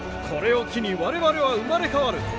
これを機に我々は生まれ変わる。